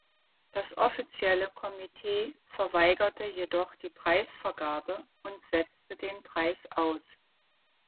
Das offizielle Komitee verweigerte jedoch die Preisvergabe und setzte den Preis aus.